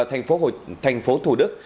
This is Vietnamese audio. thuộc tp thủ đức